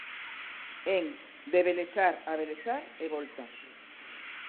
En 'De Belesar a Belesar, e volta'.